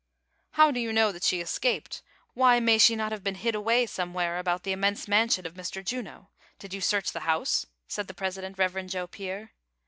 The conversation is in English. " How do you know tliat she escaped ; why may she not have been hid away, somewhere about the immense man sion of Ml . Juno; did you search the house V" said the president. Rev. Joe Pier.